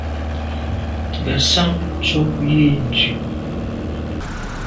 Ngassam ntshob yi ndù.